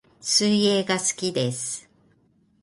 水泳が好きです